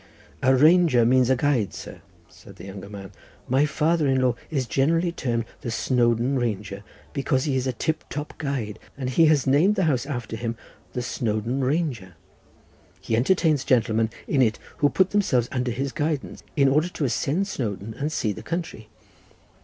"A ranger means a guide, sir," said the younger man—"my father in law is generally termed the Snowdon Ranger because he is a tip top guide, and he has named the house after him the Snowdon Ranger. He entertains gentlemen in it who put themselves under his guidance in order to ascend Snowdon and to see the country."